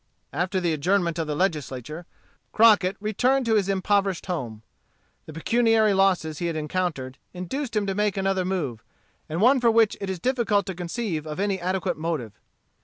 After the adjournment of the Legislature, Crockett returned to his impoverished home. The pecuniary losses he had encountered, induced him to make another move, and one for which it is difficult to conceive of any adequate motive.